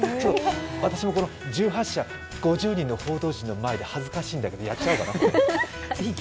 私も１８社５０人の報道陣の前で恥ずかしいんだけど、やっちゃおうかな。